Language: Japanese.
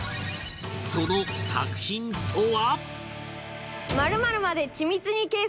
その作品とは？